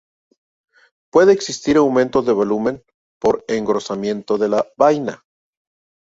Puede existir aumento de volumen por engrosamiento de la vaina.